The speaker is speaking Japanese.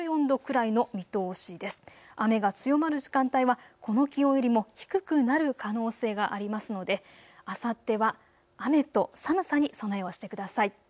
雨が強まる時間帯はこの気温よりも低くなる可能性がありますのであさっては雨と寒さに備えをしてください。